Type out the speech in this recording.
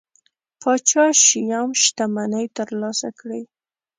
پاچا شیام شتمنۍ ترلاسه کړي.